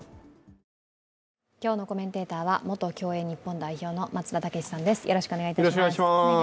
今日のコメンテーターは元競泳日本代表の松田丈志さんです。